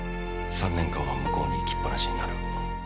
３年間は向こうに行きっぱなしになる。